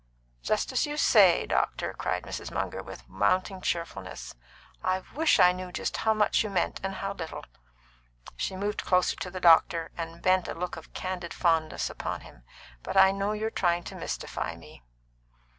"Just as you say, doctor," cried Mrs. Munger, with mounting cheerfulness. "I wish I knew just how much you meant, and how little." She moved closer to the doctor, and bent a look of candid fondness upon him. "But I know you're trying to mystify me."